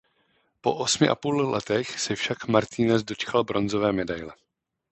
Po osmi a půl letech se však Martínez dočkal bronzové medaile.